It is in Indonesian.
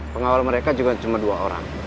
pengawal mereka juga cuma dua orang